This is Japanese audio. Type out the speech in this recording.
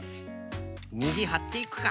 にじはっていくか。